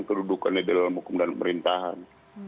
kedudukannya di dalam hukum dan pemerintahan